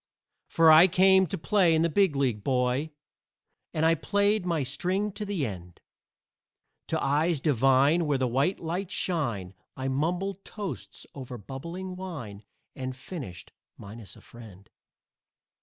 For I came to play in the Big League, boy, And I played my string to the end. To eyes divine where the white lights shine I mumbled toasts over bubbling wine And finished minus a friend.